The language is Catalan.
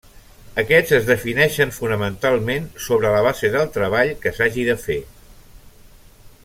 Aquests es defineixen, fonamentalment, sobre la base del treball que s'hagi de fer.